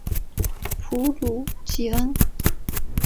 普卢吉恩。